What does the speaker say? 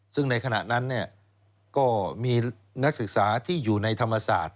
ซึ่งในขณะนั้นก็มีนักศึกษาที่อยู่ในธรรมศาสตร์